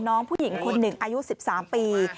น้องผู้หญิงคนหนึ่งอายุ๑๓ปี